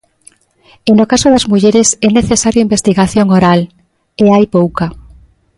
E no caso das mulleres é necesario investigación oral, e hai pouca.